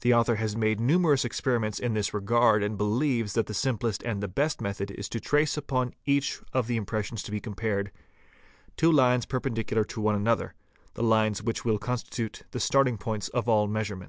The author has made numerous experiments in this regard and believes that the simplest and the best method is to trace upon each of the impressions to be compared, _two lines prependicular to one another, lines which will constitute the starting point of all measurements.